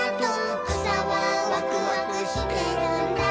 「くさはワクワクしてるんだ」